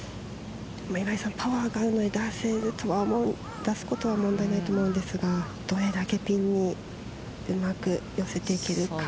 パワーがあるので出せるとは思うんですが出すことは問題ないと思うんですがどれだけピンにうまく寄せていけるか。